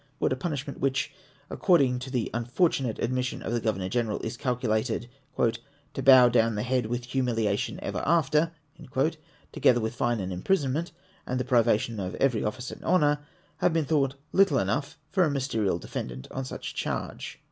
Would a jjunishment which, according to the unfortunate admission of the Attorney General, is calculated " to bow down the head with humiliation ever after," together with fine and imprisonment, and the privation of every office and honour, have been thought little enough for a ministerial defendant on such a charge?